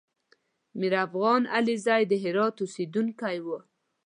میرافغان علیزی د هرات اوسېدونکی و